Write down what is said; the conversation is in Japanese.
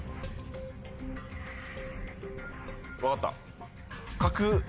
分かった！